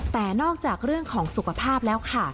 แต่นอกจากเรื่องของสุขภาพแล้วค่ะ